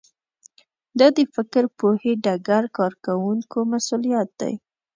دا د فکر پوهې ډګر کارکوونکو مسوولیت دی